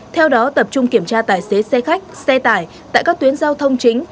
theo đó tập trung kiểm tra tài xế xe khách xe tải tại các tuyến giao thông chính